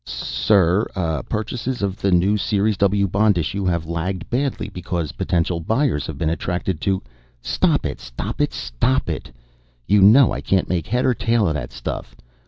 "Sir, purchases of the new Series W bond issue have lagged badly because potential buyers have been attracted to " "Stop it, stop it, stop it! You know I can't make head or tail of that stuff.